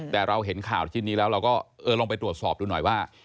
แต่เราเห็นข่าวชิ้นนี้แล้วเราก็เออลองไปตรวจสอบดูหน่อยว่า